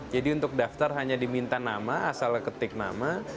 jadi untuk daftar hanya diminta nama asal ketik nama